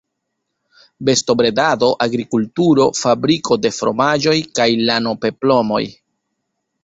Bestobredado, agrikulturo, fabriko de fromaĝoj kaj lano-peplomoj.